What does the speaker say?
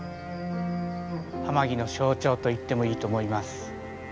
天城の象徴と言ってもいいと思います。